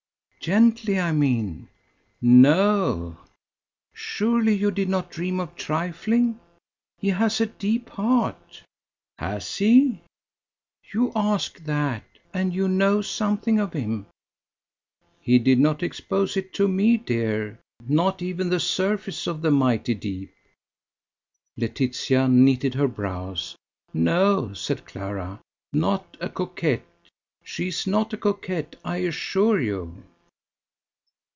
"Gently, I mean." "No." "Surely you did not dream of trifling? He has a deep heart." "Has he?" "You ask that: and you know something of him." "He did not expose it to me, dear; not even the surface of the mighty deep." Laetitia knitted her brows. "No," said Clara, "not a coquette: she is not a coquette, I assure you."